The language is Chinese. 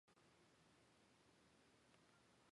希尔格尔米森是德国下萨克森州的一个市镇。